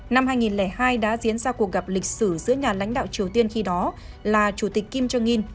năm hai nghìn hai đã diễn ra cuộc gặp lịch sử giữa nhà lãnh đạo triều tiên khi đó là chủ tịch kim jong un